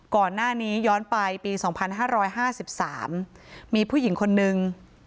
ก่อนหน้านี้ย้อนไปปี๒๕๕๓มีผู้หญิงคนนึง